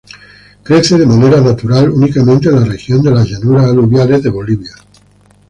Crece de manera natural únicamente en la región de las llanuras aluviales de Bolivia.